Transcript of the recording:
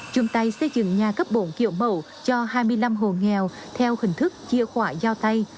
chung tay xây dựng nhà cấp bộ kiểu mẫu cho hai mươi năm hồ nghèo theo hình thức chia khỏa giao tay